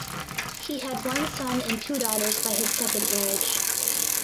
He had one son and two daughters by his second marriage.